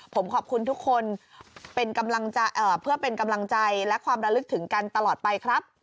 ผมขอบคุณทุกคนเป็นกำลังเพื่อเป็นกำลังใจและความระลึกถึงกันตลอดไปครับ